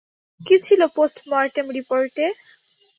কী ছিল post mortem রিপোর্টে?